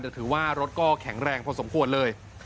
แต่ถือว่ารถก็แข็งแรงพอสมควรเลย